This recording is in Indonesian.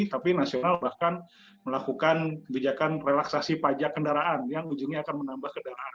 tapi nasional bahkan melakukan kebijakan relaksasi pajak kendaraan yang ujungnya akan menambah kendaraan